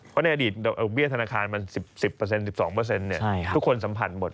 เพราะในอดีตเบี้ยธนาคารมัน๑๐๑๒ทุกคนสัมผัสหมด